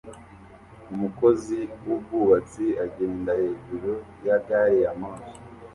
Umukozi wubwubatsi agenda hejuru ya gari ya moshi